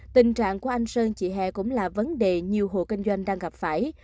tình trạng của anh sơn chị hẹ cũng là vấn đề nhiều hộ kinh doanh đang gặp phải